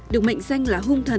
được mệnh danh là hung thần